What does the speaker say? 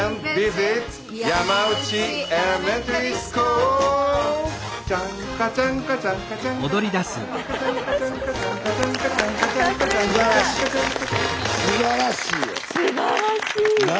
すばらしいよ！